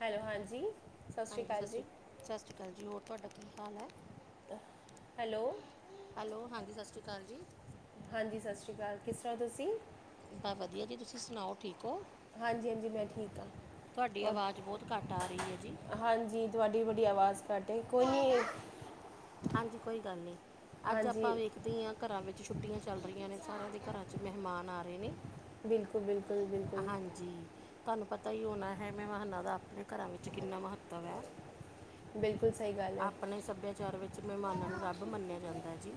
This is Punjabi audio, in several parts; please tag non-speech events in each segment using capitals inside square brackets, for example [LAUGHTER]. ਹੈਲੋ ਹਾਂਜੀ, ਸਤਿ ਸ੍ਰੀ ਹਾਂਜੀ ਅਕਾਲ ਜੀ। ਸ਼੍ਰੀ ਸਤਿ ਸ੍ਰੀ ਅਕਾਲ ਜੀ, ਹੋਰ ਤੁਹਾਡਾ ਕੀ ਹਾਲ ਹੈ। ਹੈਲੋ ਹੈਲੋ, ਹਾਂਜੀ ਸਤਿ ਸ੍ਰੀ ਅਕਾਲ ਜੀ। ਹਾਂਜੀ ਸਤਿ ਸ੍ਰੀ ਅਕਾਲ, ਕਿਸ ਤਰ੍ਹਾਂ ਤੁਸੀਂ। ਬਸ ਵਧੀਆ ਜੀ, ਤੁਸੀਂ ਸੁਣਾਓ ਠੀਕ ਹੋ? ਹਾਂਜੀ ਹਾਂਜੀ ਮੈਂ ਠੀਕ ਹਾਂ ਤੁਹਾਡੀ ਔਰ ਆਵਾਜ਼ ਬਹੁਤ ਘੱਟ ਆ ਰਹੀ ਹੈ ਜੀ। ਹਾਂਜੀ, ਤੁਹਾਡੀ ਬੜੀ ਆਵਾਜ਼ ਘੱਟ ਐ, ਕੋਈ ਨੀ। ਹਾਂਜੀ ਕੋਈ ਗੱਲ ਨੀ, ਅੱਜ ਆਪਾਂ ਵੇਖ ਤੀਆਂ ਘਰਾਂ ਵਿੱਚ ਛੁੱਟੀਆਂ ਚੱਲ ਰਹੀਆਂ ਨੇ, ਸਾਰਿਆਂ ਦੇ ਘਰਾਂ 'ਚ ਮਹਿਮਾਨ ਆ ਰਹੇ ਨੇ। ਬਿਲਕੁਲ ਬਿਲਕੁਲ ਬਿਲਕੁਲ ਹਾਂਜੀ ਤੁਹਾਨੂੰ ਪਤਾ ਹੀ ਹੋਣਾ ਹੈ, ਮਹਿਮਾਨਾਂ ਦਾ ਆਪਣੇ ਘਰਾਂ ਵਿੱਚ ਕਿੰਨਾ ਮਹੱਤਵ ਹੈ। ਬਿਲਕੁਲ ਸਹੀ ਗੱਲ ਹੈ ਆਪਣੇ ਸੱਭਿਆਚਾਰ ਵਿੱਚ ਮਹਿਮਾਨਾਂ ਨੂੰ ਰੱਬ ਮੰਨਿਆ ਜਾਂਦਾ ਜੀ।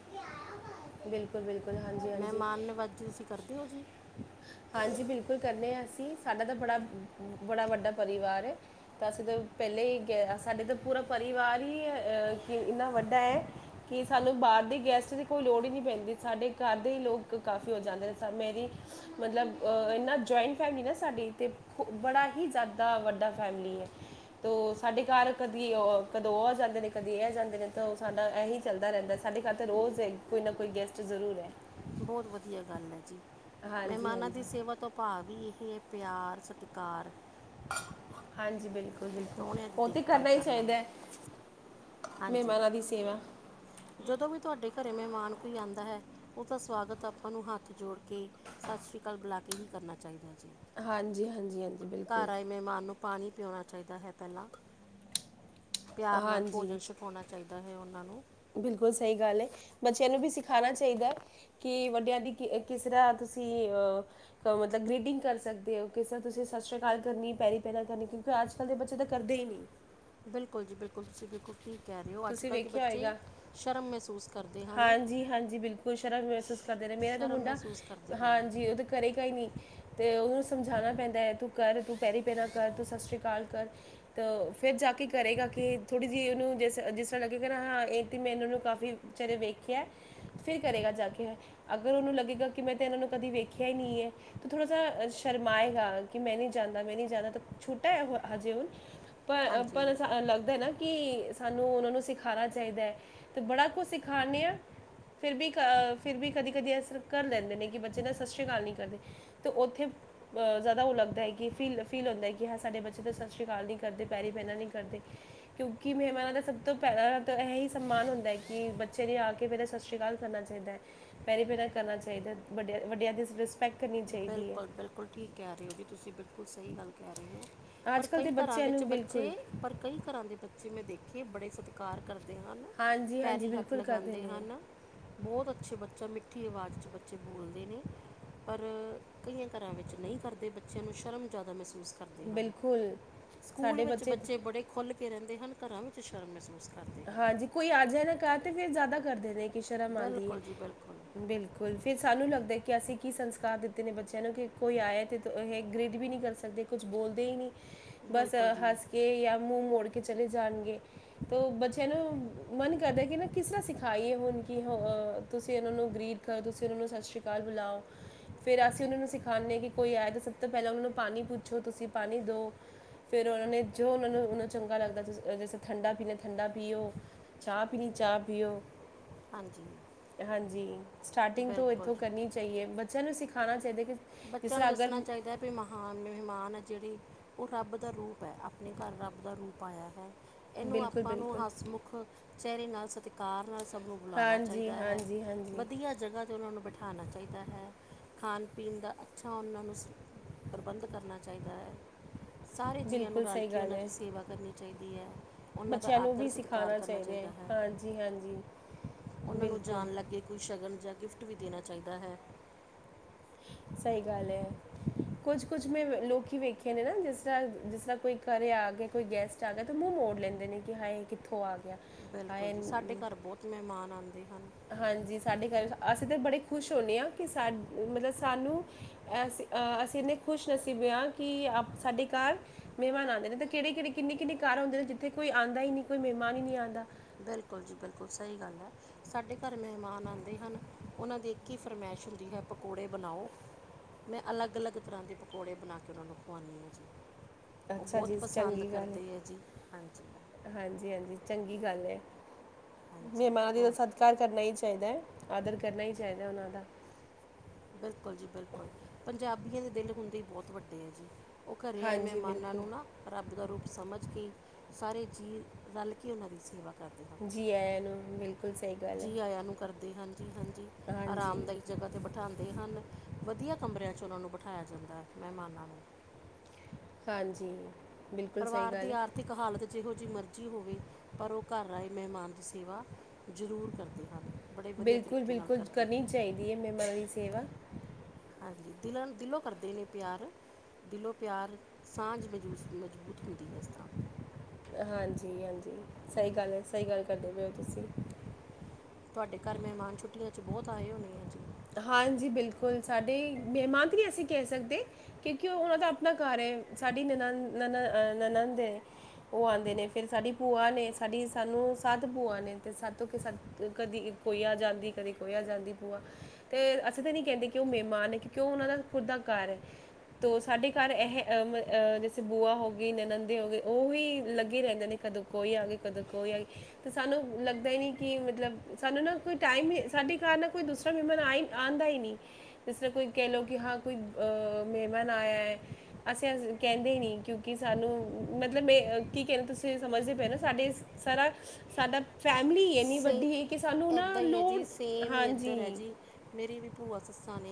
ਬਿਲਕੁਲ ਬਿਲਕੁਲ ਹਾਂਜੀ ਹਾਂਜੀ ਮਹਿਮਾਨ ਨਵਾਜ਼ੀ ਤੁਸੀਂ ਕਰਦੇ ਹੋ ਜੀ। ਹਾਂਜੀ ਬਿਲਕੁਲ ਕਰਨੇ ਹਾਂ ਅਸੀਂ, ਸਾਡਾ ਤਾਂ ਬੜਾ, ਬੜਾ ਵੱਡਾ ਪਰਿਵਾਰ ਏ ਤਾਂ ਅਸੀਂ ਤੇ ਪਹਿਲੇ ਈ ਕਿਹਾ, ਸਾਡੇ ਤੇ ਪੂਰਾ ਪਰਿਵਾਰ ਹੀ ਅ ਕਿ ਇੰਨਾ ਵੱਡਾ ਐ ਕਿ ਸਾਨੂੰ ਬਾਹਰ ਦੇ ਗੈਸਟ ਦੀ ਕੋਈ ਲੋੜ ਹੀ ਨੀਂ ਪੈਂਦੀ, ਸਾਡੇ ਘਰ ਦੇ ਹੀ ਲੋਕ ਕਾਫੀ ਹੋ ਜਾਂਦੇ ਨੇ ਮੇਰੀ ਮਤਲਬ ਅ, ਇੰਨਾ ਜੁਆਇੰਟ ਫੈਮਿਲੀ ਨਾ ਸਾਡੀ, ਤੇ ਬੜਾ ਹੀ ਜ਼ਿਆਦਾ ਵੱਡਾ ਫੈਮਿਲੀ ਹੈ, ਤੋਂ ਸਾਡੇ ਘਰ ਕਦੀ ਔ ਕਦੋਂ ਉਹ ਆ ਜਾਂਦੇ ਨੇ, ਕਦੀ ਇਹ ਜਾਂਦੇ ਨੇ ਤਾਂ ਉਹ ਸਾਡਾ ਇਹੀ ਚੱਲਦਾ ਰਹਿੰਦਾ ਸਾਡੇ ਘਰ ਤਾਂ ਰੋਜ਼ ਕੋਈ ਨਾ ਕੋਈ ਗੈਸਟ ਜ਼ਰੂਰ ਐ। ਬਹੁਤ ਵਧੀਆ ਗੱਲ ਏ ਜੀ, ਹਾਂਜੀ ਮਹਿਮਾਨਾਂ ਦੀ ਹਾਂਜੀ ਸੇਵਾ ਤੋਂ ਭਾਵੀ ਇਹੀ ਏ, ਪਿਆਰ ਸਤਿਕਾਰ ਹਾਂਜੀ, ਬਿਲਕੁਲ- ਅਤੇ ਬਿਲਕੁਲ, ਪ੍ਰਾਹੁਣਿਆਂ ਦੀ ਉਹ ਤੇ ਦੇਖਭਾਲ ਕਰਨਾ ਹੀ ਚਾਹੀਦਾ ਹਾਂਜੀ ਮਹਿਮਾਨਾਂ ਦੀ ਸੇਵਾ ਜਦੋਂ ਵੀ ਤੁਹਾਡੇ ਘਰ ਮਹਿਮਾਨ ਕੋਈ ਆਂਉਦਾ ਹੈ, ਉਹਦਾ ਸਵਾਗਤ ਆਪਾਂ ਨੂੰ ਹੱਥ ਜੋੜ ਕੇ ਸਤਿ ਸ੍ਰੀ ਅਕਾਲ ਬੁਲਾ ਕੇ ਹੀ ਕਰਨਾ ਚਾਹੀਦਾ ਜੀ, ਹਾਂਜੀ ਹਾਂਜੀ ਹਾਂਜੀ ਬਿਲਕੁਲ ਘਰ ਆਏ ਮਹਿਮਾਨ ਨੂੰ ਪਾਣੀ ਪਿਉਣਾ ਚਾਹੀਦਾ ਹੈ ਪਹਿਲਾਂ, ਪਿਆਰ ਨਾਲ ਹਾਂਜੀ ਬਿਠਾਉਣਾ ਚਾਹੀਦਾ ਹੈ ਉਹਨਾਂ ਨੂੰ। ਬਿਲਕੁਲ ਸਹੀ ਗੱਲ ਏ, ਬੱਚਿਆਂ ਨੂੰ ਵੀ ਸਿਖਾਉਣਾ ਚਾਹੀਦਾ ਕਿ ਵੱਡਿਆਂ ਦੀ ਕਿ, ਕਿਸ ਤਰ੍ਹਾਂ ਤੁਸੀਂ ਅਹ ਕ ਮਤਲਬ ਗ੍ਰੀਡਿੰਗ ਕਰ ਸਕਦੇ ਓਹ, ਕਿਸਤਰਾਂ ਤੁਸੀਂ ਸਤਿ ਸ੍ਰੀ ਅਕਾਲ ਕਰਨੀ, ਪੈਰੀ ਪੈਨਾ ਕਰਨੀਂ ਪਰ ਅੱਜ-ਕੱਲ ਦੇ ਬੱਚੇ ਤਾਂ ਕਰਦੇ ਈ ਨਹੀ। ਬਿਲਕੁਲ ਜੀ ਬਿਲਕੁਲ ਤੁਸੀਂ ਬਿਲਕੁੱਲ ਠੀਕ ਕਹਿ ਰਹੇ ਓ, ਤੁਸੀਂ ਅੱਜ-ਕੱਲ ਦੇ ਵੇਖਿਆ ਬੱਚੇ ਹੋਏਗਾ ਸ਼ਰਮ ਮਹਿਸੂਸ ਕਰਦੇ ਹਨ ਹਾਂਜੀ, ਹਾਂਜੀ ਬਿਲਕੁਲ ਸ਼ਰਮ ਮਹਿਸੂਸ ਕਰਦੇ ਨੇ, ਮੇਰਾ ਤਾਂ ਸ਼ਰਮ ਮੁੰਡਾ ਮਹਿਸੂਸ ਕਰਦੇ ਹਨ ਹਾਂਜੀ ਉਹ ਤੇ ਕਰੇਗਾ ਈ ਨੀ 'ਤੇ ਉਹਨੂੰ ਸਮਝਾਣਾ ਪੈਂਦਾ ਐ, ਤੂੰ ਕਰ, ਤੂੰ ਪੈਰੀ ਪੈਣਾਂ ਕਰ, ਤੂੰ ਸਤਿ ਸ੍ਰੀ ਅਕਾਲ ਕਰ। ਤਾਂ ਫਿਰ ਜਾ ਕੇ ਕਰੇਗਾ ਕਿ ਥੋੜ੍ਹੀ ਜੀ ਉਹਨੂੰ ਜਿਸ, ਜਿਸ ਤਰ੍ਹਾਂ ਲੱਗੇਗਾ ਹਾਂ ਇਹ ਤੇ ਮੈਂ ਇਹਨਾਂ ਨੂੰ ਕਾਫੀ ਚੇਰੇ ਵੇਖਿਆ, ਫਿਰ ਕਰੇਗਾ ਜਾ ਕੇ ਅਗਰ ਉਹਨੂੰ ਲੱਗੇਗਾ ਕਿ ਮੈਂ ਤਾਂ ਇਹਨਾਂ ਨੂੰ ਕਦੇ ਵੇਖਿਆ ਹੀ ਨਹੀਂ ਹੈ, ਤਾਂ ਥੋੜ੍ਹਾ ਜਾ ਸ਼ਰਮਾਏਗਾ। ਕਿ ਮੈਂ ਨਹੀਂ ਜਾਂਦਾ ਮੈਂ ਨਹੀਂ ਜਾਂਣਾ ਤਾਂ ਛੋਟਾ ਏ ਹੋ, ਹਜੇ ਹੁਣ ਪਰ ਅ ਪਰ ਹਾਂਜੀ ਅ ਲੱਗਦਾਏ ਨਾ ਕਿ ਸਾਨੂੰ ਉਹਨਾਂ ਨੂੰ ਸਿਖਾਣਾ ਚਾਹੀਦਾ ਐ, ਤੇ ਬੜਾ ਕੁਛ ਸਿਖਾਣੇ ਆ। ਫਿਰ ਵੀ ਕ, ਫਿਰ ਵੀ ਕਦੀ- ਕਦੀ ਅਸਰ ਕਰ ਲੈਂਦੇ ਨੇ ਕਿ ਬੱਚੇ ਦਾ ਸਤਿ ਸ੍ਰੀ ਅਕਾਲ ਨੀ ਕਰਦੇ 'ਤੇ ਉੱਥੇ ਜ਼ਿਆਦਾ ਉਹ ਲੱਗਦਾ ਹੈ ਕਿ ਫੀਲ, ਫੀਲ ਹੁੰਦਾ ਹੈ ਕਿ ਹਾਂ ਸਾਡੇ ਬੱਚੇ ਤਾਂ ਸਤਿ ਸ੍ਰੀ ਅਕਾਲ ਨਹੀਂ ਕਰਦੇ, ਪੈਰੀ ਪੈਨਾ ਨਹੀਂ ਕਰਦੇ। [INAUDIBLE] ਕਿਉਂਕਿ ਮਹਿਮਾਨਾਂ ਦਾ ਸਭ ਤੋਂ ਪਹਿਲਾਂ ਤਾਂ ਇਹ ਹੀ ਸਨਮਾਨ ਹੁੰਦਾ ਐ ਕਿ, ਬੱਚੇ ਨੇ ਆ ਕੇ ਪਹਿਲਾ ਸਤਿ ਸ੍ਰੀ ਅਕਾਲ ਕਰਨਾ ਚਾਹੀਦਾ ਐ। ਪੈਰੀ ਪੈਨਾ ਕਰਨਾ ਚਾਹੀਦਾ, ਵੱਡਿਆਂ, ਵੱਡਿਆਂ ਦੀ ਰਿਸਪੈਕਟ ਕਰਨੀ ਚਾਹੀਦੀ ਹੈ ਬਿਲਕੁਲ, ਬਿਲਕੁਲ ਠੀਕ ਕਹਿ ਰਹੇ ਹੋ ਜੀ, ਤੁਸੀਂ ਬਿਲਕੁਲ ਸਹੀ ਗੱਲ ਕਹਿ ਰਹੇ ਉਹ, ਅੱਜ ਪਰ ਕੱਲ ਦੇ ਕਈ ਘਰਾਂ ਬੱਚਿਆਂ ਵਿੱਚ ਨੂੰ ਬੱਚੇ, ਬਿਲਕੁਲ ਪਰ ਕਈ ਘਰਾਂ ਦੇ ਬੱਚੇ ਮੈਂ ਦੇਖੇ ਬੜੇ ਸਤ ਕਾਰ ਕਰਦੇ ਹਨ, ਹਾਂਜੀ ਹਾਂਜੀ ਪੈਰੀ ਹੱਥ ਬਿਲਕੁਲ ਕਰਦੇ ਲਗਾਂਉਦੇ ਨੇ ਹਨ ਬਹੁਤ ਅੱਛੇ ਬੱਚੇ, ਮਿੱਠੀ ਆਵਾਜ਼ 'ਚ ਬੱਚੇ ਬੋਲਦੇ ਨੇ ਪਰ, ਕਈਆਂ ਘਰਾਂ ਵਿੱਚ ਨਹੀਂ ਕਰਦੇ ਬੱਚਿਆਂ ਨੂੰ ਸ਼ਰਮ ਜ਼ਿਆਦਾ ਮਹਿਸੂਸ ਕਰਦੇ ਹਨ, ਬਿਲਕੁਲ ਸਕੂਲ ਵਿੱਚ ਬੱਚੇ ਬੜੇ ਖੁੱਲ ਕੇ ਰਹਿੰਦੇ ਹਨ, ਘਰਾਂ ਵਿੱਚ ਸ਼ਰਮ ਮਹਿਸੂਸ ਕਰਦੇ ਹਨ ਹਾਂਜੀ ਕੋਈ ਆ ਜਾਏ ਨਾ ਕਰ ਤੇ ਫਿਰ ਜਿਆਦਾ ਕਰਦੇ ਨੇ ਕਿ ਸ਼ਰਮ ਆਉਦੀ ਏ ਬਿਲਕੁਲ ਜੀ ਬਿਲਕੁਲ ਬਿਲਕੁਲ ਲ ਫਿਰ ਸਾਨੂੰ ਲੱਗਦਾ ਕਿ ਅਸੀਂ ਕੀ ਸੰਸਕਾਰ ਦਿੱਤੇ ਨੇ ਬੱਚਿਆਂ ਨੂੰ, ਕਿ ਕੋਈ ਆਇਆ ਤੇ ਇਹ ਗ੍ਰੇਡ ਵੀ ਨਹੀਂ ਕਰ ਸਕਦੇ। ਕੁਛ ਬੋਲਦੇ ਈ ਨੀ, ਬਸ ਬਿਲਕੁਲ ਜੀ ਹੱਸ ਕੇ ਜਾਂ ਮੂੰਹ ਮੋੜ ਕੇ ਚਲੇ ਜਾਣਗੇ। ਤੋ ਬੱਚਿਆਂ ਨੂੰ ਮਨ ਕਰਦਾ ਕਿ ਨਾ ਕਿਸ ਤਰ੍ਹਾਂ ਸਿਖਾਈਏ ਹੁਣ ਕਿ ਹ ਅ ਤੁਸੀਂ ਉਹਨਾਂ ਨੂੰ ਗਰੀ ਤੁਸੀਂ ਉਹਨਾਂ ਨੂੰ ਸਤਿ ਸ੍ਰੀ ਅਕਾਲ ਬੁਲਾਓ। ਫੇਰ ਅਸੀਂ ਉਹਨਾਂ ਨੂੰ ਸਿਖਾਂਨੇ ਹੀ ਕੋਈ ਆਏ ਤਾਂ ਸਭ ਤੋਂ ਪਹਿਲਾਂ ਉਹਨਾਂ ਨੂੰ ਪਾਣੀ ਪੁੱਛੋ, ਤੁਸੀਂ ਪਾਣੀ ਦੋ। ਫੇਰ ਉਹਨਾਂ ਨੇ ਜੋ ਉਹਨਾਂ ਨੂੰ ਉਹਨੂੰ ਚੰਗਾ ਲੱਗਦਾ, ਜੈਸੇ ਠੰਡਾ ਪੀਣਾ ਠੰਡਾ ਪੀਓ, ਚਾਹ ਪੀਣੀ ਚਾਹ ਪੀਓ ਹਾਂਜੀ ਹਾਂਜੀ, ਸਟਾਰਟਿੰਗ ਤੋਂ ਬਿਲਕੁਲ ਇੱਥੋਂ ਜੀ ਕਰਨੀ ਚਾਹੀਏ, ਬੱਚਿਆਂ ਨੂੰ ਸਿਖਾਉਣਾ ਚਾਹੀਦਾ ਕਿ ਜਿਸ ਬੱਚਿਆਂ ਨੂੰ ਤਰ੍ਹਾਂ ਅਗਰ ਦੱਸਣਾ ਚਾਹੀਦਾ, ਵੀ ਮਹਾਨ ਮਹਿਮਾਨ ਆ ਜਿਹੜੇ ਓ ਰੱਬ ਦਾ ਰੂਪ ਏ, ਆਪਣੇ ਘਰ ਰੱਬ ਦਾ ਰੂਪ ਆਇਆ ਹੈ। ਇਹਨੂੰ ਬਿਲਕੁਲ ਆਪਾਂ ਨੂੰ ਬਿਲਕੁਲ ਹੱਸ ਮੁੁੱਖ, ਚਿਹਰੇ ਨਾਲ ਸ ਕਾਰ ਨਾਲ ਸਭ ਨੂੰ ਬੁਲਾਣਾ ਹਾਂਜੀ ਚਾਹੀਦਾ ਹੈ, ਹਾਂਜੀ ਹਾਂਜੀ ਵਧੀਆ ਜਗ੍ਹਾ ਤੇ ਉਨਾਂ ਨੂੰ ਬਿਠਾਣਾ ਚਾਹੀਦਾ ਹੈ, ਖਾਣ ਪੀਣ ਦਾ ਅੱਛਾ ਉਹਨਾਂ ਨੂੰ ਸ, ਪ੍ਰਬੰਧ ਕਰਨਾ ਚਾਹੀਦਾ ਐ। ਸਾਰੇ ਜੀਆਂ ਨੂੰ ਬਿਲਕੁਲ ਰਲ ਸਹੀ ਕੇ ਗੱਲ ਉਹਨਾਂ ਦੀ ਹੈ ਸੇਵਾ ਕਰਨੀ ਚਾਹੀਦੀ ਹੈ, ਉਹਨਾਂ ਦਾ ਆਦਰ ਸਤਿਕਾਰ ਕਰਨਾ ਚਾਹੀਦਾ ਹੈ। ਹਾਂਜੀ-ਹਾਂਜੀ। ਉਨ੍ਹਾਂ ਨੂੰ ਜਾਣ ਲੱਗੇ ਕੋਈ ਸ਼ਗਨ ਜਾਂ ਗਿਫ਼ਟ ਵੀ ਦੇਣਾ ਚਾਹੀਦਾ ਹੈ। ਸਈ ਗੱਲ ਏ ਕੁਝ-ਕੁਝ ਮੈਂ ਲੋਕੀ ਵੇਖੇ ਨੇ ਨਾ, ਜਿਸ ਤਰਾ, ਜਿਸ ਤਰ੍ਹਾਂ ਕੋਈ ਘਰੇ ਆ ਗਏ ਕੋਈ ਗੈਸਟ ਅਚਾਨਕ ਮੂੰਹ ਮੋੜ ਲੈਂਦੇ ਨੇ, ਕਿ ਹਾਏ ਇਹ ਕਿੱਥੋਂ ਆ ਗਿਆ, ਬਿਲਕੁਲ ਹਾਏ ਜੀ ਸਾਡੇ ਘਰ ਬਹੁਤ ਮਹਿਮਾਨ ਆਉਂਦੇ ਹਨ ਹਾਂਜੀ ਸਾਡੇ ਘਰ, ਅਸੀਂ ਤਾਂ ਬੜੇ ਖੁਸ਼ ਹੁੰਦੇ ਆ, ਕਿ ਸਾ, ਮਤਲਬ ਸਾਨੂੰ ਅਸੀ, ਅਸੀਂ ਇੰਨੇ ਖੁਸ਼ ਨਸੀਬ ਹਾਂ ਕਿ ਆਪ ਸਾਡੇ ਘਰ ਮਹਿਮਾਨ ਆਂਉਦੇ ਨੇ, ਤੇ ਕਿਹੜੇਂ- ਕਿਹੜੇਂ ਕਿੰਨੇੰ -ਕਿੰਨੇ ਘਰ ਹੁੰਦੇ ਨੇ, ਜਿਥੇ ਕੋਈ ਆਉਂਦਾ ਹੀ ਨਹੀਂ, ਕੋਈ ਮਹਿਮਾਨ ਹੀ ਨਹੀਂ ਆਉਦਾਂ। ਬਿਲਕੁਲ ਜੀ, ਬਿਲਕੁਲ, ਸਹੀ ਗੱਲ ਐ। ਸਾਡੇ ਘਰ ਮਹਿਮਾਨ ਆਂਉਦੇ ਹਨ, ਉਹਨਾਂ ਦੀ ਇੱਕ ਈ ਫਰਮਾਇਸ਼ ਹੁੰਦੀ ਹੈ ਪਕੌੜੇ ਬਣਾਓ। ਮੈਂ ਅਲੱਗ -ਅਲੱਗ ਤਰ੍ਹਾਂ ਦੇ ਪਕੌੜੇ ਬਣਾ ਕੇ ਉਹਨਾਂ ਨੂੰ ਖੁਵਾਂਦੀ ਆ ਜੀ। ਉਹ ਅੱਛਾ ਬਹੁਤ ਜੀ ਪਸੰਦ ਚੰਗੀ ਗੱਲ ਕਰਦੇ ਹੈ ਜੀ ਹਾਂਜੀ, ਹਾਂਜੀ ਚੰਗੀ ਗੱਲ ਐ, ਹਾਂਜੀ ਮਹਿਮਾਨ ਦੀ ਤਾਂ ਹੋਰ ਸਤਿਕਾਰ ਕਰਨਾ ਈ ਚਾਹੀਦਾ ਐ, ਆਦਰ ਕਰਨਾ ਈ ਚਾਹੀਦਾ ਉਹਨਾਂ ਦਾ। ਬਿਲਕੁਲ ਜੀ-ਬਿਲਕੁਲ, ਪੰਜਾਬੀਆਂ ਦੇ ਦਿਲ ਹੁੰਦੇ ਹੀ ਬਹੁਤ ਵੱਡੇ ਹੈ ਜੀ। ਉਹ ਘਰੇ ਆਏ ਹਾਂਜੀ ਮਹਿਮਾਨਾਂ ਬਿਲਕੁਲ ਨੂੰ ਨਾ ਰੱਬ ਦਾ ਰੂਪ ਸਮਝ ਕੇ ਸਾਰੇ ਜੀਵ ਰਲ ਕੇ ਉਹਨਾਂ ਦੀ ਸੇਵਾ ਕਰਦੇ। ਹਨ ਜੀ ਆਇਆ ਨੂੰ ਬਿਲਕੁਲ ਸਹੀ ਗੱਲ ਹੈ ਜੀ ਆਇਆ ਨੂੰ ਕਰਦੇ ਹਾਂਜੀ-ਹਾਂਜੀ, ਹਾਂਜੀ ਆਰਾਮਦਾਇਕ ਜਗ੍ਹਾਂ ਬਠਾਂਦੇ ਹਨ, ਵਧੀਆ ਕਮਰਿਆਂ 'ਚ ਉਹਨਾਂ ਨੂੰ ਬਿਠਾਇਆ ਜਾਂਦਾ ਮਹਿਮਾਨਾਂ ਨੂੰ। ਹਾਂਜੀ ਬਿਲਕੁਲ ਸਹੀ ਪਰਿਵਾਰ ਦੀ ਗੱਲ ਹੈ ਆਰਥਿਕ ਹਾਲਤ ਜਿਹੋ ਜਿਹੀ ਮਰਜ਼ੀ ਹੋਵੇ, ਪਰ ਉਹ ਘਰ ਆਏ ਮਹਿਮਾਨ ਦੀ ਸੇਵਾ ਜ਼ਰੂਰ ਕਰਦੇ ਹਨ, ਬੜੇ ਵਧੀਆ ਤਰੀਕੇ ਨਾਲ ਕਰਦੇ ਹਨ। ਦੀਏ ਮੈਮਰਾਂ ਦੀ ਸੇਵਾ। ਹਾਂਜੀ, ਦਿਲਾਂ ਦਿਲੋਂ ਕਰਦੇ ਨੇ ਪਿਆਰ ਦਿਲੋਂ ਪਿਆਰ ਸਾਂਝ ਮੂ ਮਜ਼ਬੂਤ ਹੁੰਦੀ ਹੈ ਇਸ ਤਰ੍ਹਾਂ। ਹਾਂਜੀ -ਹਾਂਜੀ, ਸਹੀ ਗੱਲ ਹੈ, ਸਹੀ ਗੱਲ ਕਰਦੇ ਪਏ ਹੋ ਤੁਸੀਂ ਤੁਹਾਡੇ ਘਰ ਮਹਿਮਾਨ ਛੁੱਟੀਆਂ ਚ ਬਹੁਤ ਆਏ ਹੋਣੇ ਆ ਜੀ। ਹਾਂਜੀ ਬਿਲਕੁਲ, ਸਾਡੇ ਮਹਿਮਾਨ ਤਾਂ ਨਹੀਂ ਅਸੀਂ ਕਹਿ ਸਕਦੇ। ਕਿਉਂਕਿ ਓਹ ਓਹਨਾਂ ਦਾ ਆਪਣਾ ਘਰ ਐ ਸਾਡੀ ਨਨਾਨ ਨਨਨ ਨਨਨ ਨਨਦ ਏ। ਉਹ ਆਂਦੇ ਨੇ ਫੇਰ ਸਾਡੀ ਭੂਆ ਨੇ ਸਾਡੀ ਸਾਨੂੰ ਸੱਤ ਭੂਆ ਨੇ ਤੇ ਸੱਤ ਹੋ ਕੇ ਕਦੀ ਇੱਕ ਕੋਈ ਆ ਜਾਂਦੀ, ਕਦੀ ਕੋਈ ਆ ਜਾਂਦੀ ਭੂਆ। ਅਤੇ ਅਸੀਂ ਤਾਂ ਨਹੀਂ ਕੈਂਦੇ ਕਿ ਉਹ ਮੇਮਾਨ ਨੇ ਕਿਉਂਕਿ ਉਹਨਾਂ ਦਾ ਖੁੁਦ ਦਾ ਘਰ ਹੈ। ਤੋ ਸਾਡੇ ਘਰ ਇਹ, ਜੈਸੇ ਬੂਆ ਹੋ ਗਈ, ਨਨੰਦੇ ਹੋ ਗਏ ਉਹੀ ਲੱਗੇ ਰਹਿੰਦੇ ਨੇ ਕਦੋਂ ਕੋਈ ਆ ਗਈ, ਕਦੋਂ ਕੋਈ ਆ ਗਈ ਤੇ ਸਾਨੂੰ, ਲੱਗਦਾ ਹੀ ਨੀ ਕਿ, ਮਤਲਬ ਸਾਨੂੰ ਨਾ ਕੋਈ ਟਾਈਮ ਹੀ ਸਾਡੇ ਘਰ ਨਾ ਕੋਈ ਦੂਸਰਾ ਮਹਿਮਾਨ ਆਈ ਆਂਦਾ ਹੀ ਨਹੀਂ, ਜਿਸ ਤਰ੍ਹਾਂ ਕੋਈ ਕਹਿ ਲਓ ਕਿ ਹਾਂ ਕੋਈ ਅ ਮਹਿਮਾਨ ਆਇਆ ਹੈ ਅਸੀਂ ਕਹਿੰਦੇ ਈ ਨੀ ਕਿਉਂਕਿ ਸਾਨੂੰ ਮਤਲਬ ਮੈਂ ਕੀ ਕਹਿਣਾ ਤੁਸੀਂ ਸਮਝਦੇ ਪਏ ਓ ਨਾ ਸਾਡੇ। ਸਾਰਾ, ਸਾਡਾ ਫੈਮਿਲੀ ਇੰਨੀ ਸੇਮ ਵੱਡੀ ਹੈ ਕਿ ਸਾਨੂੰ ਨਾ, ਇੱਦਾਂ ਹੀ ਹੈ ਲੋੜ, ਜੀ ਸੇਮ ਹੀ ਹਾਂਜੀ ਇੱਧਰ ਹੈ ਜੀ ਮੇਰੀ ਵੀ ਭੂਆ ਸੱਸਾਂ ਨੇ।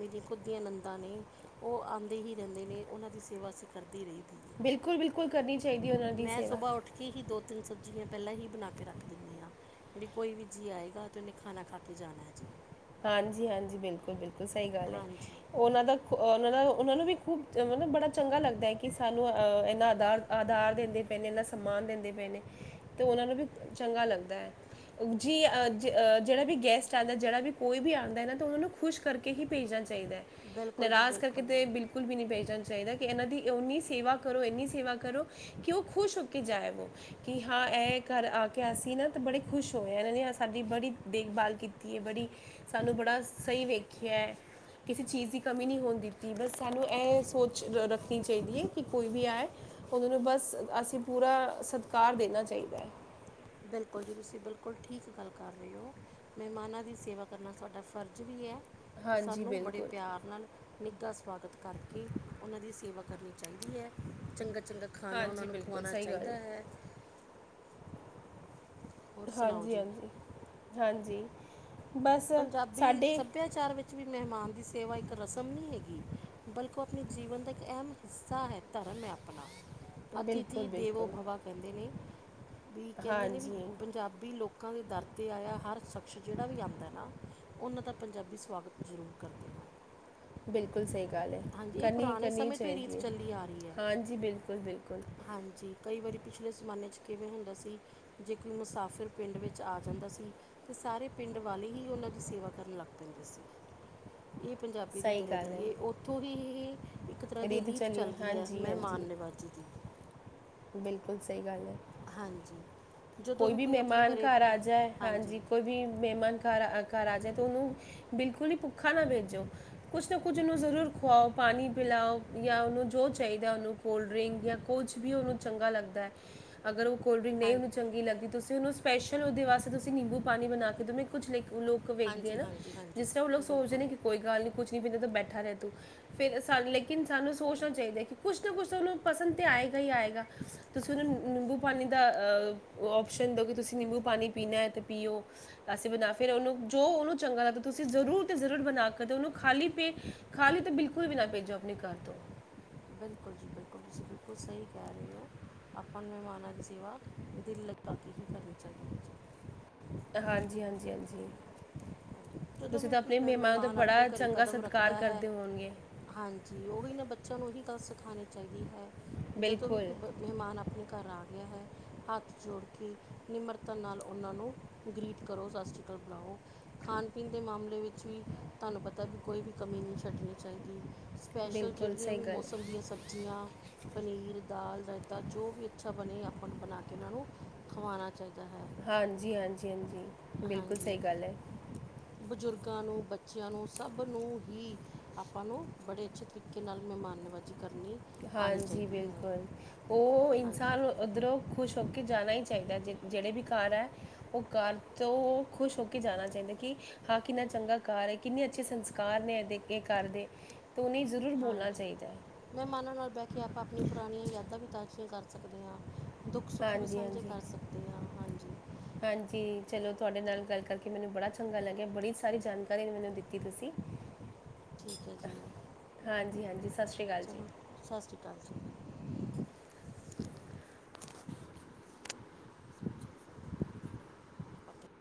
ਮੇਰੀਆਂ ਖੁਦ ਦੀਆਂ ਨੰਨਦਾਂ ਨੇ ਉਹ ਆਉਂਦੇ ਹੀ ਰਹਿੰਦੇ ਨੇ, ਉਹਨਾਂ ਦੀ ਸੇਵਾ ਅਸੀਂ ਕਰਦੇ ਰਹੀਦਾ। ਬਿਲਕੁਲ-ਬਿਲਕੁਲ, ਕਰਨੀ ਚਾਹੀਦੀ ਏ ਉਹਨਾਂ ਦੀ ਸੇਵਾ। ਹੀ-ਹੀ ਦੋ ਤਿੰਨ ਸਬਜ਼ੀਆਂ ਪਹਿਲਾਂ ਹੀ ਬਣਾ ਕੇ ਰੱਖ ਦਿੰਨੀ ਆਂ। ਜਿਹੜੀ ਕੋਈ ਵੀ ਜੀਅ ਆਏਗਾ ਤੇ ਉਹਨੇ ਖਾਣਾ ਖਾ ਕੇ ਜਾਣਾ ਹੈ ਜੀ। ਹਾਂਜੀ -ਹਾਂਜੀ, ਬਿਲਕੁਲ- ਬਿਲਕੁਲ ਸਹੀ ਗੱਲ ਹੈ। ਹਾਂਜੀ ਓਹਨਾਂ ਦਾ ਖ ਓਹਨਾਂ ਦਾ ਓਹਨਾਂ ਨੂੰ ਵੀ ਖੂਬ ਮਤਲਬ ਬੜਾ ਚੰਗਾ ਲੱਗਦਾ ਐ ਕਿ ਸਾਨੂੰ ਏਨਾ ਅਦਾਰ ਆਧਾਰ ਦਿੰਦੇ ਪਏ ਨੇ ਇਹਨਾ ਸਮਾਨ ਦਿੰਦੇ ਪਏ ਨੇ। ਤੇ ਉਹਨਾਂ ਨੂੰ ਵੀ ਚੰਗਾ ਲੱਗਦਾ ਹੈ ਜੀ ਅਜ ਜਿਹੜਾ ਵੀ ਗੈਸਟ ਆਉਂਦਾ ਜਿਹੜਾ ਵੀ ਕੋਈ ਵੀ ਆਂਦਾ ਏ ਨਾ ਤਾਂ ਉਹਨਾਂ ਨੂੰ ਖੁਸ਼ ਕਰਕੇ ਹੀ ਭੇਜਣਾ ਚਾਹੀਦਾ, ਬਿਲਕੁਲ ਜੀ ਨਰਾਜ਼ ਕਰਕੇ ਤੇ ਬਿਲਕੁਲ ਬਿਲਕੁਲ ਵੀ ਨਹੀਂ ਭੇਜਨਾ ਚਾਈਦਾ ਕਿ ਏਨਾਂ ਦੀ ਇੰਨੀ ਸੇਵਾ ਕਰੋ, ਇੰਨੀ ਸੇਵਾ ਕਰੋ ਕਿ ਓਹ ਖੁਸ਼ ਹੋ ਕੇ ਜਾਇਆ ਵੋ। ਕੀ ਹਾਂ ਇਹ ਘਰ ਆ ਕੇ ਅਸੀਂ ਨਾ ਤਾਂ ਬੜੇ ਖੁਸ਼ ਹੋਏ ਆਂ ਇਹਨਾਂ ਨੇ ਸਾਡੀ ਬੜੀ ਦੇਖਬਾਲ ਕੀਤੀ ਐ ਬੜੀ। ਸਾਨੂੰ ਬੜਾ ਸਹੀ ਵੇਖਿਆ। ਕਿਸੇ ਚੀਜ਼ ਦੀ ਕਮੀ ਨਹੀਂ ਹੋਨ ਦਿੱਤੀ ਬਸ ਸਾਨੂੰ ਐ ਸੋਚ ਰੱਖਨੀ ਚਾਈਦੀ ਐ ਕਿ ਕੋਈ ਵੀ ਆਏ ਉਹਨਾਂ ਨੂੰ ਬਸ ਅਸੀਂ ਪੂਰਾ ਸਤਿਕਾਰ ਦੇਣਾ ਚਾਹੀਦਾ ਹੈ। ਬਿਲਕੁਲ ਜੀ ਤੁਸੀਂ ਬਿਲਕੁਲ ਠੀਕ ਗੱਲ ਕਰ ਰਹੇ ਹੋ ਮਹਿਮਾਨਾਂ ਦੀ ਸੇਵਾ ਕਰਨਾ ਤੁਹਾਡਾ ਫਰਜ਼ ਵੀ ਹੈ। ਤੇ ਹਾਂਜੀ ਸਾਨੂੰ ਬੜੇ ਬਿਲਕੁਲ ਪਿਆਰ ਨਾਲ ਨਿੱਘਾ ਸਵਾਗਤ ਕਰਕੇ ਉਹਨਾਂ ਦੀ ਸੇਵਾ ਕਰਨੀ ਚਾਹੀਦੀ ਹੈ, ਚੰਗਾ-ਚੰਗਾ। ਖਾਨਾ ਓਨਾਂ ਹਾਂਜੀ ਨੂੰ ਬਿਲਕੁਲ ਖਵਾਨਾ ਸਹੀ ਗੱਲ ਚਾਈਦਾ ਹੈ। ਹੋਰ ਸੁਣਾਓ ਹਾਂਜੀ ਜੀ ਹਾਂਜੀ ਹਾਂਜੀ ਬਸ ਸਾਡੇ ਚਾਰ ਵਿੱਚ ਵੀ ਮਹਿਮਾਨ ਦੀ ਸੇਵਾ ਇੱਕ ਰਸਮ ਨਹੀਂ ਹੈਗੀ। ਬਲਕਿ ਉਹ ਆਪਣੇ ਜੀਵਨ ਦਾ ਇੱਕ ਅਹਿਮ ਹਿੱਸਾ ਹੈ ਧਰਮ ਹੈ ਆਪਣਾ। ਬਿਲਕੁਲ ਅਥਿਥੀ ਦੇਵੋ ਬਿਲਕੁਲ ਬਵਾ ਕਹਿੰਦੇ ਨੇ ਵੀ ਕਹਿੰਦੇ ਨੇ ਵੀ ਹਾਂਜੀ ਪੰਜਾਬੀ ਲੋਕ। ਲੋਕਾਂ ਦੇ ਦਰ ਤੇ ਆਇਆ ਹਰ ਸ਼ਖਸ਼ ਜਿਹੜਾ ਵੀ ਆਂਦ ਨਾ ਉਹਨਾਂ ਦਾ ਪੰਜਾਬੀ ਸਵਾਗਤ ਜ਼ਰੂਰ ਕਰਦੇ ਹਾ। ਬਿਲਕੁਲ ਸਹੀ ਗੱਲ ਹੈ ਕਰਨੀ ਪੁਰਾਣੇ ਕਰਨੀ ਹੀ ਸਮੇਂ ਤੋਂ ਰੀਤ ਚਾਹੀਦੀ ਹੈ ਚੱਲੀ ਆ ਰਹੀ ਹੈ ਹਾਂਜੀ ਬਿਲਕੁਲ ਬਿਲਕੁਲ। ਹਾਂਜੀ ਕਈ ਵਾਰੀ ਪਿਛਲੇ ਜ਼ਮਾਨੇ 'ਚ ਕਿਵੇਂ ਹੁੰਦਾ ਸੀ। ਜੇ ਕੋਈ ਮੁਸਾਫ਼ਿਰ ਪਿੰਡ ਵਿੱਚ ਆ ਜਾਂਦਾ ਸੀ ਤੇ ਸਾਰੇ ਪਿੰਡ ਵਾਲੇ ਹੀ ਉਹਨਾਂ ਦੀ ਸੇਵਾ ਕਰਨ ਲੱਗ ਪੈਂਦੇ ਸੀ। ਇਹ ਪੰਜਾਬੀ ਦੀ ਸਹੀ ਦਰਿਆ ਗੱਲ ਦਿਲੀ ਹੈ ਏ ਉੱਥੋਂ ਹੀ ਇਹ ਇੱਕ ਤਰ੍ਹਾਂ ਦੀ ਰੀਤ ਚਲੀ ਚੱਲ ਗਈ ਹੈ ਹਾਂਜੀ ਮਹਿਮਾਨ ਹਾਂਜੀ ਨਿਵਾ ਜੀ, ਬਿਲਕੁਲ ਸਹੀ ਗੱਲ ਹੈ। ਹਾਂਜੀ ਕੋਈ ਵੀ ਮਹਿਮਾਨ ਘਰ ਆ ਜਾਏ ਹਾਂਜੀ ਕੋਈ ਵੀ ਮਹਿਮਾਨ ਘਰ ਘਰ ਆ ਜਾਏ ਤੇ ਉਹਨੂੰ ਬਿਲਕੁਲ ਹੀ ਭੁੱਖਾ ਨਾ ਭੇਜੋ। ਕੁਛ ਨਾ ਕੁਝ ਓਹਨੂੰ ਜ਼ਰੂਰ ਖਆਓ ਪਾਨੀ ਪਿਲਾਓ ਜਾਂ ਓਹਨੂੰ ਜੋ ਚਾਹੀਦਾ ਓਹਨੂੰ। ਕੋਲਡਰਿੰਗ ਜਾਂ ਕੁਝ ਵੀ ਉਹਨੂੰ ਚੰਗਾ ਲੱਗਦਾ ਹੈ, ਅਗਰ ਉਹ ਕੋਲਡਰਿੰਗ ਹਾਂ ਨਹੀਂ ਓ ਚੰਗੀ ਲੱਗਦੀ ਤੁਸੀਂ ਉਹਨੂੰ ਸਪੈਸ਼ਲ ਉਹਦੇ ਵਾਸਤੇ ਤੁਸੀਂ ਨਿੰਬੂ ਪਾਣੀ ਬਣਾ ਕੇ ਦਵੇਂ ਕੁਝ ਲਾਈਕ ਉਹ ਲੋਕ ਕੋਈ ਵੇਖ ਜਾਏ ਹਾਂਜੀ ਨਾ ਹਾਂਜੀ ਹਾਂਜੀ ਜਿਸ ਤਰ੍ਹਾਂ ਓ ਲੋਕ ਸੋਚਦੇ ਬਿਲਕੁਲ ਨੇ ਕਿ ਕੋਈ ਗੱਲ ਨੀ ਕੁੱਝ ਨੀ ਪੀਂਦਾ ਬੈਠਾ ਰਹ ਤੂੰ। ਫਿਰ ਲੇਕਿਨ ਸਾਨੂੰ ਸੋਚਣਾ ਚਾਹੀਦਾ ਹੈ ਕਿ, ਕੁਛ ਨਾ ਕੁਛ ਤਹਾਨੂੰ ਪਸੰਦ ਤਾਂ ਆਏਗਾ ਹੀ ਆਏਗਾ। ਤੁਸੀਂ ਉਹਨੂੰ ਨਿੰਬੂ ਪਾਣੀ ਦਾ ਓਪਸਨ ਦਿਓ ਕਿ ਤੁਸੀਂ ਨਿੰਬੂ ਪਾਣੀ ਪੀਣਾ ਹੈ ਤੇ ਪੀਓ। ਅਸੀਂ ਬਣਾ ਫਿਰ ਉਹਨੂੰ ਜੋ ਉਹਨੂੰ ਚੰਗਾ ਲੱਗਦਾ ਤੁਸੀਂ ਜ਼ਰੂਰ ਤੇ ਜ਼ਰੂਰ ਬਣਾ ਕੇ ਓਨੂੰ ਖਾਲੀ ਪੇ ਖਾਲੀ ਤਾਂ ਬਿਲਕੁਲ ਵੀ ਨਾ ਭੇਜੋ ਆਪਣੇ ਘਰ ਤੋਂ। ਬਿਲਕੁਲ ਜੀ ਬਿਲਕੁਲ ਤੁਸੀਂ ਬਿਲਕੁਲ ਸਹੀ ਕਹਿ ਰਹੇ ਹੋ ਆਪਾਂ ਮਹਿਮਾਨਕ ਸੇਵਾ ਦਿਲ ਬਾਕ ਹੀ ਕਰੀਓ ਚਾਹੀਦੀ ਹੈ ਜੀ। ਹਾਂਜੀ-ਹਾਂਜੀ-ਹਾਂਜੀ। ਜਦੋਂ ਤੁਸੀਂ ਵੀ ਤਾਂ ਕੋਈ ਆਪਣੇ ਪ- ਮਹਿਮਾਨ ਦਾ ਆਪਣੇ ਬੜਾ ਘਰੇ ਚੰਗਾ ਕਦਮ ਸਤਿਕਾਰ ਰੱਖਦਾ ਹੈ ਕਰਦੇ ਹੋਣਗੇ? ਹਾਂਜੀ, ਓਹ ਵੀ ਨਾ ਬੱਚਿਆਂ ਨੂੰ ਹੀ ਗੱਲ ਸਿਖਾਣੀ ਚਾਹੀਦੀ ਹੈ, ਜਦੋਂ ਵੀ ਬਿਲਕੁਲ ਕੋਈ ਬ ਮਹਿਮਾਨ ਆਪਣੇ ਘਰ ਆ ਗਿਆ ਹੈ, ਹੱਥ ਜੋੜ ਕੇ ਨਿਮਰਤਾ ਨਾਲ ਉਹਨਾਂ ਨੂੰ ਗ੍ਰੀਟ ਕਰੋ ਸਸ ਰੀ ਕਾਲ ਬਲਾਓ, ਖਾਨ ਦੇ ਮਾਮਲੇ ਵਿੱਚ ਵੀ ਤੁਹਾਨੂੰ ਪਤਾ ਵੀ ਕੋਈ ਵੀ ਕਮੀ ਨਹੀਂ ਛੱਡਣੀ ਚਾਹੀਦੀ। ਸਪੈਸ਼ਲ ਬਿਲਕੁਲ ਜੇੜੀਆਂ ਸਹੀ ਵੀ ਗੱਲ ਮੌਸਮ ਦੀਆਂ ਸਬ ਸਬਜ਼ੀਆਂ, ਪਨੀਰ, ਦਾਲ, ਰਾਇਤਾ ਜੋ ਵੀ ਅੱਛਾ ਬਣੇ ਆਪਾਂ ਨੂੰ ਬਣਾ ਕੇ ਇਹਨਾਂ ਨੂੰ ਖਵਾਣਾ ਚਾਹੀਦਾ ਹੈ। ਹਾਂਜੀ ਹਾਂਜੀ ਹਾਂਜੀ ਬਿਲਕੁਲ ਸਹੀ ਹਾਂਜੀ ਗੱਲ ਹੈ। ਬਜ਼ੁਰਗਾਂ ਨੂੰ ਬੱਚਿਆਂ ਨੂੰ ਸਭ ਨੂੰ ਹੀ। ਆਪਾਂ ਨੂੰ ਬੜੇ ਅੱਛੇ ਤਰੀਕੇ ਨਾਲ ਮਹਿਮਾਨੇਬਾਜ਼ੀ ਕਰਨੀ। ਆਉਣੀ ਹਾਂਜੀ ਚਾਹੀਦੀ ਹੈ ਬਿਲਕੁਲ ਉਹ ਹਾਂਜੀ ਇਨਸਾਨ ਓਧਰੋਂ ਖੁਸ਼ ਹੋ ਕੇ ਜਾਣਾ ਈ ਚਾਹੀਦਾ ਜੇੜੇ ਵੀ ਘਰ ਐ। ਉਹ ਘਰ ਤੋਂ ਖੁਸ਼ ਹੋ ਕੇ ਜਾਣਾ ਚਾਹੀਦਾ ਕਿ, ਹਾਂ ਕਿੰਨਾ ਚੰਗਾ ਘਰ ਏ, ਕਿੰਨੇ ਅੱਛੇ ਸੰਸਕਾਰ ਨੇ ਇਹਦੇ ਇਹ ਘਰ ਦੇ। ਤੁਨੀ ਜ਼ਰੂਰ ਬੋਲਣਾ ਚਾਹੀਦੈ। ਮਹਿਮਾਨਾ ਨਾਲ ਬਹਿ ਕੇ ਆਪਾਂ ਆਪਣੀਆਂ ਪੁਰਾਣੀਆਂ ਯਾਦਾਂ ਵੀ ਤਾਂਜੀਆਂ ਕਰ ਸਕਦੇ ਹਾਂ। ਦੁੱਖ-ਸੁੱਖ ਵੀ ਹਾਂਜੀ ਸਾਂਝੇ ਹਾਂਜੀ ਕਰ ਸਕਦੇ ਆਂ, ਹਾਂਜੀ। ਹਾਂਜੀ ਚਲੋ ਤੁਹਾਡੇ ਨਾਲ ਗੱਲ ਕਰਕੇ ਮੈਨੂੰ ਬੜਾ ਚੰਗਾ ਲੱਗਿਆ, ਬੜੀ ਸਾਰੀ ਜਾਣਕਾਰੀ ਘਰੇ ਮੈਨੂੰ ਦਿੱਤੀ ਤੁਸੀਂ, ਠੀਕ ਹੈ ਜੀ ਹਾਂਜੀ-ਹਾਂਜੀ ਸਤਿ ਸ਼੍ਰੀ ਅਕਾਲ ਜੀ। ਚਲੋ ਸਤਿ ਸ਼੍ਰੀ ਅਕਾਲ ਜੀ [INAUDIBLE]